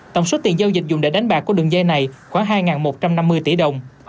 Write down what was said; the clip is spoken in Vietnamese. tổng số tiền giao dịch dùng để đánh bạc của đường dây này khoảng hai một trăm năm mươi tỷ đồng